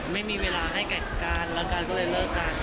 ไม่มีเวลาให้แกะการแล้วก็เลยเลิกการ